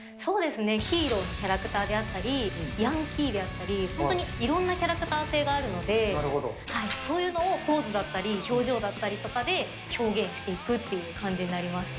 ヒーローのキャラクターであったり、ヤンキーであったり、本当にいろんなキャラクター性があるので、そういうのをポーズだったり、表情だったりとかで表現していくっていう感じになりますね。